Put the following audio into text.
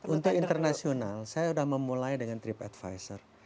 untuk internasional saya sudah memulai dengan trip advisor